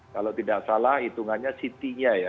kalau tidak salah hitungannya si tia ya